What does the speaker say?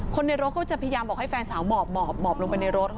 คนในรถก็จะพยายามบอกให้แฟนสาวหมอบหมอบลงไปในรถ